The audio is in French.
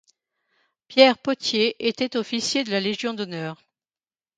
Pierre Potier était officier de la Légion d'honneur.